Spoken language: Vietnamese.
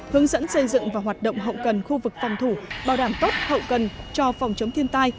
hướng dẫn xây dựng và hoạt động hậu cần khu vực phòng thủ bảo đảm tốt hậu cần cho phòng chống thiên tai